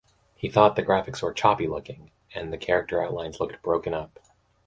He thought the graphics were "choppy" looking, and the character outlines looked "broken up".